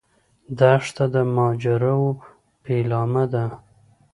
دښته د ماجراوو پیلامه ده.